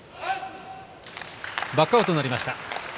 バックアウトになりました。